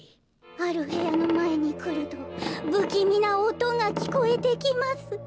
「ある部屋の前に来ると、不気味な音が聞こえてきます」。